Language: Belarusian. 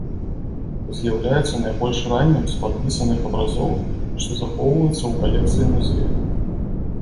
З'яўляецца найбольш раннім з падпісаных абразоў, што захоўваюцца ў калекцыі музея.